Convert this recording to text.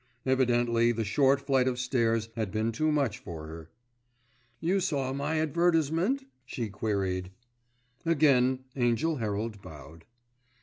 Evidently the short flight of stairs had been too much for her. "You saw my advertisement?" she queried. Again Angell Herald bowed.